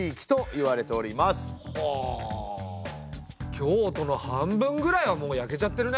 京都の半分ぐらいはもう焼けちゃってるね。